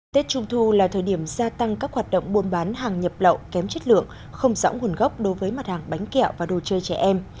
tết trung thu là thời điểm gia tăng các hoạt động buôn bán hàng nhập lậu kém chất lượng không rõ nguồn gốc đối với mặt hàng bánh kẹo và đồ chơi trẻ em